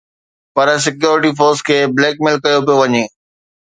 پر security force کي blackmail ڪيو پيو وڃي